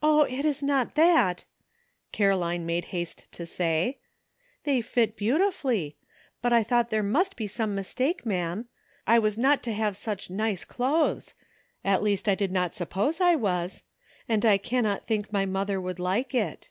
229 *'0h! it is not that," Caroline made haste to say; "they fit beautifully; but I thought there must be some mistake, ma'am. I was not to have such nice clothes — at least I did not suppose I was — and I cannot think my mother would like it."